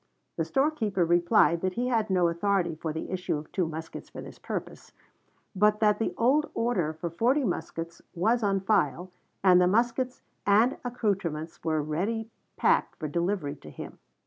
The storekeeper replied that he had no authority for the issue of two muskets for this purpose, but that the old order for forty muskets was on file, and the muskets and accouterments were ready packed for delivery to him.